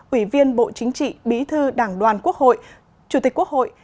ủy viên bộ chính trị bí thư đảng đoàn quốc hội chủ tịch quốc hội